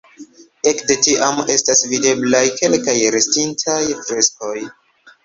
Ekde tiam estas videblaj kelkaj restintaj freskoj.